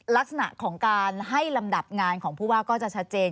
ลักษณะของการให้ลำดับงานของผู้ว่าก็จะชัดเจน